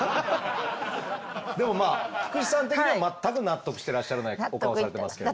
でもまあ菊地さん的には全く納得してらっしゃらないお顔をされてますけれども。